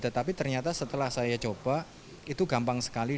tetapi ternyata setelah saya coba itu gampang sekali